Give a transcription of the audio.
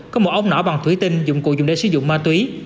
có một ống nỏ bằng thủy tinh dụng cụ dùng để sử dụng ma túy